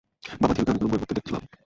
বাবা, থিরুকে অনেকগুলো বই পড়তে দেখলাম।